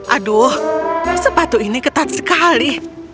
aduh sepatu ini ketat sekali